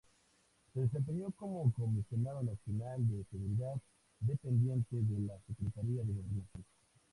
Se desempeñó como Comisionado Nacional de Seguridad, dependiente de la Secretaría de Gobernación.